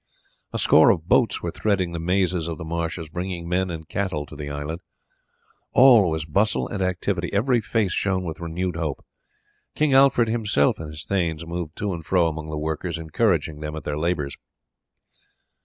A score of boats were threading the mazes of the marshes bringing men and cattle to the island. All was bustle and activity, every face shone with renewed hope. King Alfred himself and his thanes moved to and fro among the workers encouraging them at their labours.